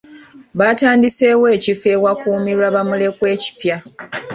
Batandiseewo ekifo ewakuumirwa bamulekwa ekipya.